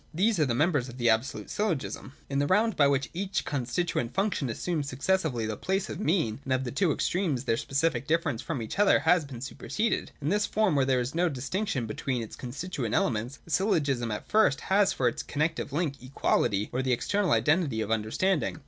These are the members of the Absolute Syllogism. 188.] In the round by which each constituent function assumes successively the place of mean and of the two i88, 1S9.J MATHEMATICAL SYLLOGISMS. 323 extremes, their specific difference from each other has been superseded. In this form, where there is no dis tinction between its constituent elements, the syllogism at first has for its connective link equality, or the external identity of understanding.